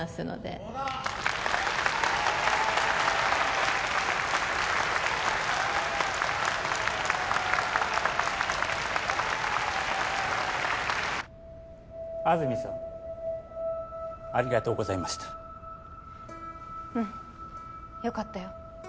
そうだ安積さんありがとうございましたうんよかったよ